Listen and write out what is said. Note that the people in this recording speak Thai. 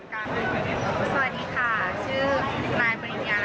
ตอนนี้นะคะได้จบสิบปีค่ะ